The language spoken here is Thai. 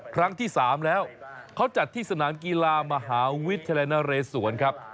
ครั้งที่๓แล้วเขาจัดที่สนามกีฬามหาวิทยาลัยนเรศวรครับ